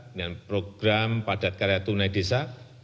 dengan program padat karya tunai desa